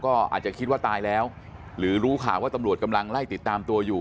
ก็อาจจะคิดว่าตายแล้วหรือรู้ข่าวว่าตำรวจกำลังไล่ติดตามตัวอยู่